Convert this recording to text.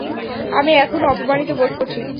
আমি এখনও অপমানিত বোধ করছি।